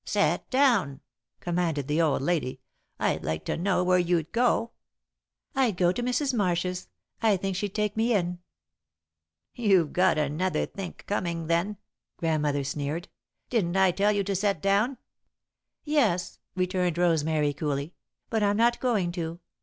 "Set down," commanded the old lady. "I'd like to know where you'd go!" "I'd go to Mrs. Marsh's; I think she'd take me in." [Sidenote: Rosemary's Rejoinder] "You've got another think comin' then," Grandmother sneered. "Didn't I tell you to set down?" "Yes," returned Rosemary, coolly, "but I'm not going to.